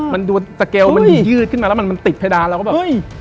มันดูสเกลมันยืดขึ้นมาแล้วมันติดเพดานเราก็แบบเฮ้ย